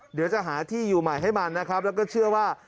เดี๋ยวจะหาที่อยู่ใหม่ให้มันนะครับแล้วก็เชื่อว่า